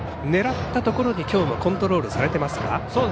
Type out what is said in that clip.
狙ったところにきょうもコントロールされてますか。